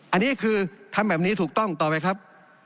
อันนี้คือทำแบบนี้ถูกต้องต่อไปครับ